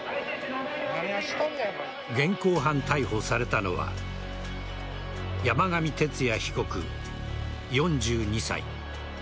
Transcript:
現行犯逮捕されたのは山上徹也被告、４２歳。